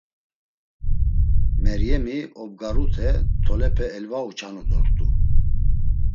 Meryemi, obgarute tolepe elvauçanu dort̆u.